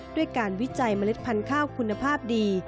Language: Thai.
ด้วยการวิจัยเมล็ดพันธุ์ข้าวคุณภาพดี